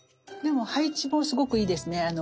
でも配置もすごくいいですね。